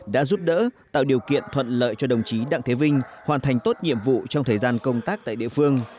đã giúp đỡ tạo điều kiện thuận lợi cho đồng chí đặng thế vinh hoàn thành tốt nhiệm vụ trong thời gian công tác tại địa phương